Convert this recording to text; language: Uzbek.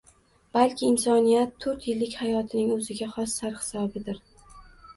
Balki insoniyat to‘rt yillik hayotining o‘ziga xos sarhisobidir.